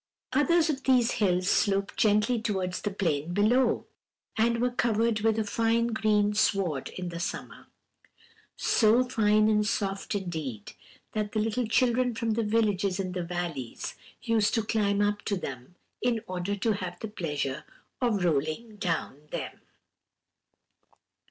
Others of these hills sloped gently towards the plain below, and were covered with a fine green sward in the summer so fine and soft, indeed, that the little children from the villages in the valleys used to climb up to them in order to have the pleasure of rolling down them.